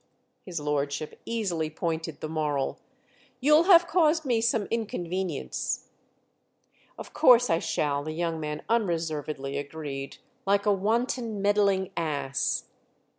His lordship easily pointed the moral. "You'll have caused me some inconvenience." "Of course I shall," the young man unreservedly agreed—"like a wanton meddling ass!"